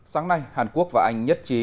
sáng nay hàn quốc và anh nhất trí